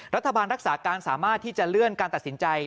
รัฐบาลรักษาการสามารถที่จะเลื่อนการตัดสินใจ